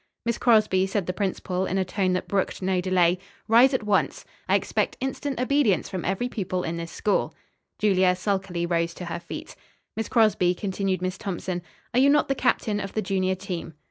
"Miss Crosby," said the principal in a tone that brooked no delay, "rise at once! I expect instant obedience from every pupil in this school." Julia sulkily rose to her feet. "Miss Crosby," continued Miss Thompson, "are you not the captain of the junior team?"